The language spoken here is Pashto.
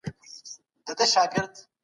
وروستیو څېړنو پخواني نظرونه بدل کړل.